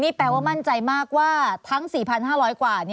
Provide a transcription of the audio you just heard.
แปลว่ามั่นใจมากว่าทั้ง๔๕๐๐กว่า